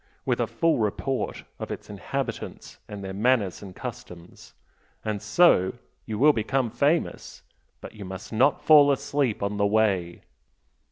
with a full report of its inhabitants and their manners and customs. And so you will become famous! But you must not fall asleep on the way!"